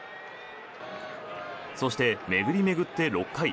そして、巡り巡って６回。